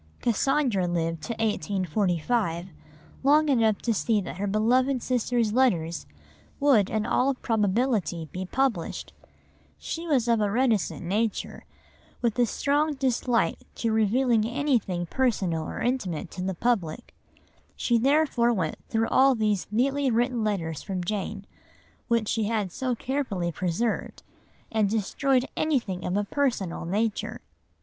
Cassandra lived to 1845, long enough to see that her beloved sister's letters would in all probability be published; she was of a reticent nature, with a strong dislike to revealing anything personal or intimate to the public, she therefore went through all these neatly written letters from Jane, which she had so carefully preserved, and destroyed anything of a personal nature.